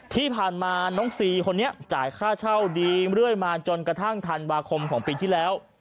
ที่ผ่านมาน้องซีคนนี้จ่ายค่าเช่าดีเรื่อยมาจนกระทั่งธันวาคมของปีที่แล้ว